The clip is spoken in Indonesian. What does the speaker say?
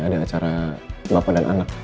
ada acara bapak dan anak